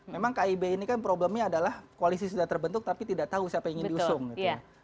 memang kib ini kan problemnya adalah koalisi sudah terbentuk tapi tidak tahu siapa yang ingin diusung gitu